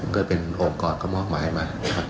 ก็เป็นองค์กรก็มองมาให้มา